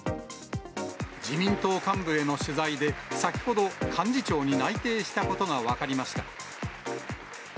自民党幹部への取材で、先ほど、幹事長に内定したことが分かりました。